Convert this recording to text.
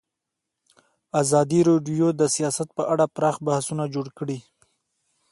ازادي راډیو د سیاست په اړه پراخ بحثونه جوړ کړي.